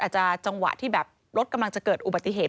จังหวะที่แบบรถกำลังจะเกิดอุบัติเหตุ